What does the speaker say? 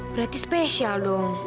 berarti spesial dong